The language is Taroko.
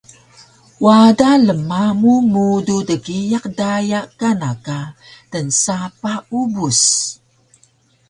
Wada lmamu mudu dgiyaq daya kana ka tnsapah Ubus